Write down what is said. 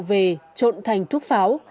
về trộn thành thuốc pháo